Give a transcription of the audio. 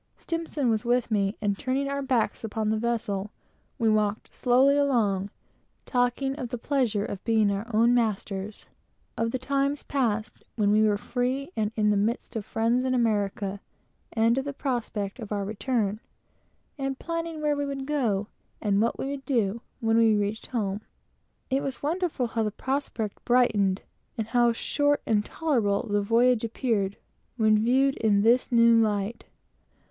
My friend S was with me, and turning our backs upon the vessels, we walked slowly along, talking of the pleasure of being our own masters, of the times past, and when we were free in the midst of friends, in America, and of the prospect of our return; and planning where we would go, and what we would do, when we reached home. It was wonderful how the prospect brightened, and how short and tolerable the voyage appeared, when viewed in this new light.